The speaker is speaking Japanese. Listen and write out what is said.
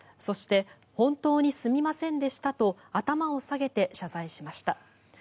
そして本当にすみませんでしたと頭を下げて謝罪しました。